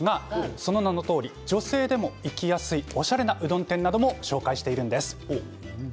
その名のとおり、女性でも行きやすいおしゃれなうどん店なども紹介しています。